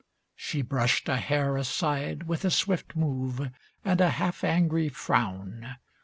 She brushed a hair aside With a swift move, and a half angry frown.